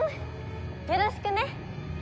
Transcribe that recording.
よろしくね！